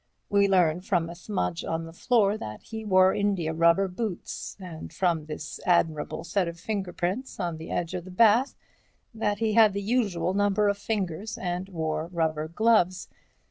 We learn from a smudge on the floor that he wore india rubber boots, and from this admirable set of fingerprints on the edge of the bath that he had the usual number of fingers and wore rubber gloves.